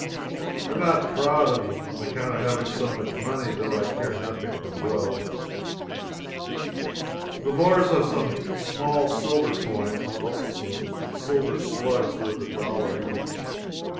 I am not proud on account of having so much money, though. I care nothing for wealth. The Moors have some small silver coins and also some silver slugs worth a dollar each.